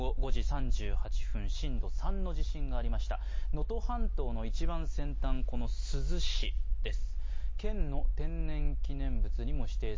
能登半島の一番先端、珠洲市です